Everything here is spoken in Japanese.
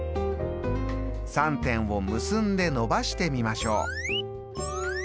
３点を結んで延ばしてみましょう。